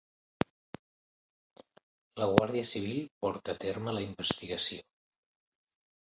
La Guàrdia Civil porta a terme la investigació